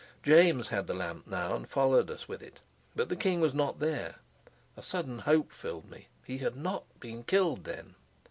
James had the lamp now, and followed us with it. But the king was not there. A sudden hope filled me. He had not been killed then!